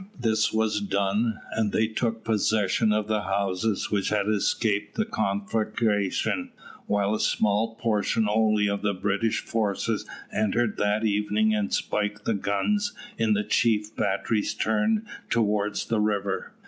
This was done, and they took possession of the houses which had escaped the conflagration, while a small portion only of the British forces entered that evening and spiked the guns in the chief batteries turned towards the river.